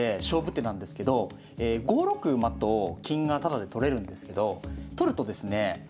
勝負手なんですけど５六馬と金がタダで取れるんですけど取るとですね